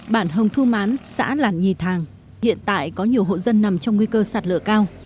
bản hồng thu mán xã làn nhì thàng hiện tại có nhiều hội dân nằm trong nguy cơ sản lợi cao